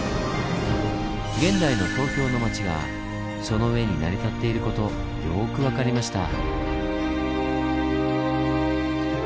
現代の東京の町がその上に成り立っていることよく分かりました。